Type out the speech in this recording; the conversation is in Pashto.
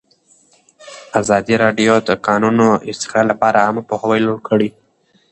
ازادي راډیو د د کانونو استخراج لپاره عامه پوهاوي لوړ کړی.